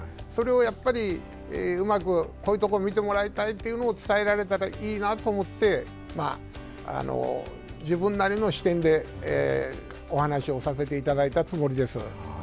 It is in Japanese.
それをやっぱりうまくこういうところを見てもらいたいというのを伝えられたらいいなと思って自分なりの視点でお話をさせていただいたつもりです。